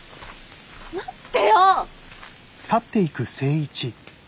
待ってよ！